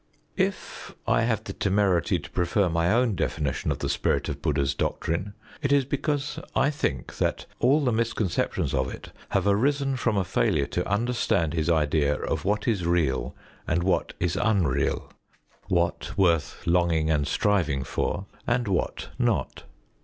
If I have the temerity to prefer my own definition of the spirit of Bud╠Żd╠Żha's doctrine, it is because I think that all the misconceptions of it have arisen from a failure to understand his idea of what is real and what is unreal, what worth longing and striving for and what not.